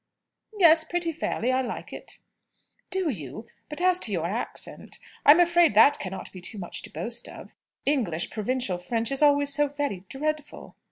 "Yes; pretty fairly. I like it." "Do you? But, as to your accent I'm afraid that cannot be much to boast of. English provincial French is always so very dreadful."